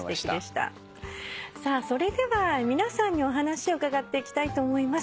それでは皆さんにお話伺っていきたいと思います。